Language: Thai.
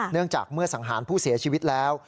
เนื่องจากเมื่อสังหารผู้เสียชีวิตแล้ว